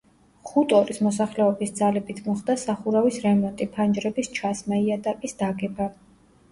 ხუტორის მოსახლეობის ძალებით მოხდა სახურავის რემონტი, ფანჯრების ჩასმა, იატაკის დაგება.